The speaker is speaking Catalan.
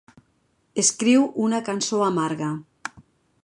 Escriu una cançó amarga.